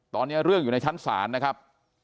ตอนนี้เรื่องอยู่ในชั้นศาลนะครับ